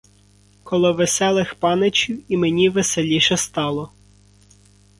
Коло веселих паничів і мені веселіше стало.